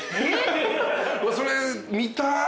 それ見たぁ。